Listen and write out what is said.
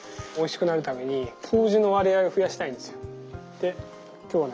で今日はね